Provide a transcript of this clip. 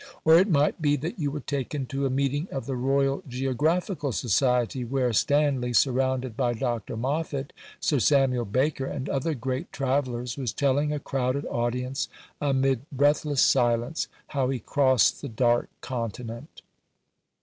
Or it might be that you were taken to a meeting of the Royal Geographical Society where Stanley, surrounded by Dr. Moffat, Sir Samuel Baker, and other great travellers, was telling a crowded audience amid breathless silence how he crossed the Dark Continent.